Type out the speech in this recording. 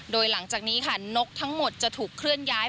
โดยหลังจากนี้ค่ะนกทั้งหมดจะถูกเคลื่อนย้าย